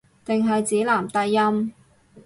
定係指男低音